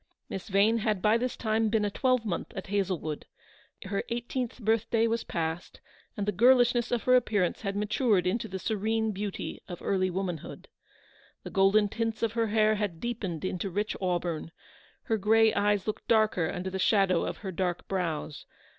Miss Vane had by this time been a twelvemonth at Hazlewood. Her eighteenth birthday was past, and the girlishness of her appearance had matured into the serene beauty of early woman hood. The golden tints of her hair had deepened into rich auburn, her grey eyes looked darker under the shadow of her dark brows.